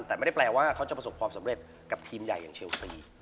แต่ไม่ได้แปลว่าเขาจะประสบความสำเร็จกับทีมใหญ่อย่างเชลซี